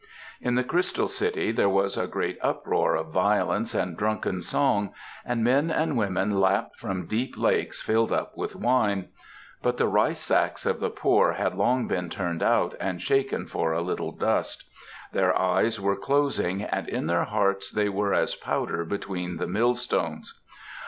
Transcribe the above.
In the Crystal City there was a great roar of violence and drunken song, and men and women lapped from deep lakes filled up with wine; but the ricesacks of the poor had long been turned out and shaken for a little dust; their eyes were closing and in their hearts they were as powder between the mill stones.